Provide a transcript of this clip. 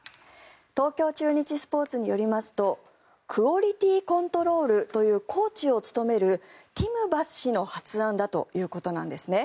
東京中日スポーツによりますとクオリティー・コントロールというコーチを務めるティム・バス氏の発案だということなんですね。